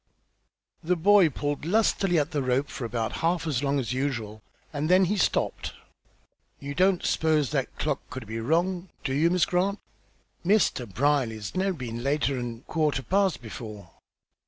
The boy pulled lustily at the rope for about half as long as usual, and then he stopped. "You don't s'pose that clock c'ud be wrong, do yo', Miss Grant? Mr. Brierly's never been later'n quarter past before."